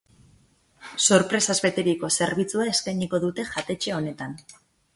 Sorpresaz beteriko zerbitzua eskainiko dute jatetxe honetan.